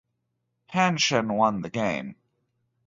Hanshin won the game.